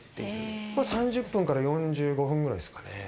まあ３０分から４５分ぐらいですかね。